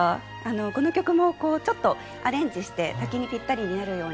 この曲もちょっとアレンジして滝にぴったりになるように。